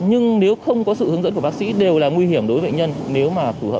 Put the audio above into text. nhưng nếu không có sự hướng dẫn của bác sĩ đều là nguy hiểm đối với bệnh nhân nếu mà phù hợp sai